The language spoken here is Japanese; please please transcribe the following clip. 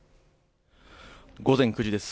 午前９時です。